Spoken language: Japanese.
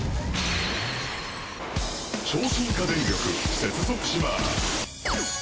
超進化電力接続します。